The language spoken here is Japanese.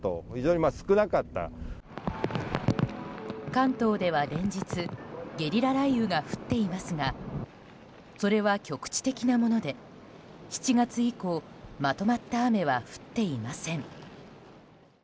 関東では連日ゲリラ雷雨が降っていますがそれは局地的なもので７月以降まとまった雨は降っていません。